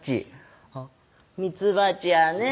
「あっミツバチやね」